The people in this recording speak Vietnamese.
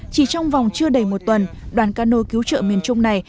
chỉ trong vòng chưa đầy một tuần đoàn cano cứu trợ miền trung này